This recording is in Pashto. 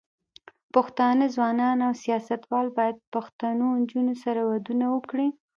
پښتانه ځوانان او سياستوال بايد پښتنو نجونو سره ودونه وکړي.